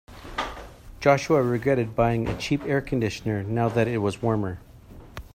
Joshua regretted buying a cheap air conditioner now that it was warmer.